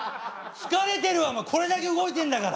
疲れてるわこれだけ動いてんだから！